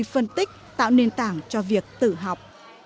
phân tích tạo nền tảng cho việc tử học